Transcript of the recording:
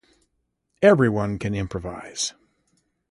Everyone can improvise.